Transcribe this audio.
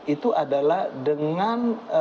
itu adalah dengan